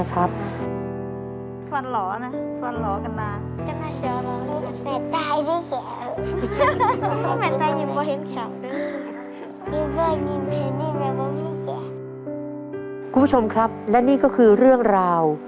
คุณผู้ชมครับและนี่ก็คือเรื่องราว